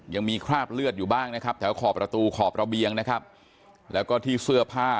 ยังมีคราบเลือดอยู่บ้างนะครับแถวขอบประตูขอบระเบียงนะครับแล้วก็ที่เสื้อผ้า